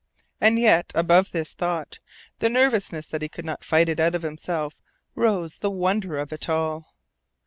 And yet, above this thought, the nervousness that he could not fight it out of himself, rose the wonder of it all.